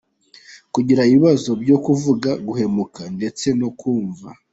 Kugira ibibazo byo kuvuga, guhumeka ndetse no kumva.